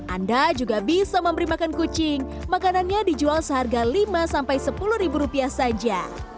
anda juga bisa memberi makan kucing makanannya dijual seharga lima sampai sepuluh ribu rupiah saja